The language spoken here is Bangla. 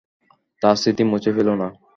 তার স্মৃতি মুছে ফেলো না।